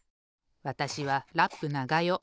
わたしはラップながよ。